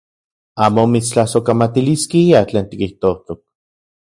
Amo mitstlasojkamatiliskia tlen tikijtojtok.